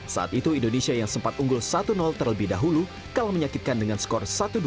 saat itu indonesia yang sempat unggul satu terlebih dahulu kalah menyakitkan dengan skor satu dua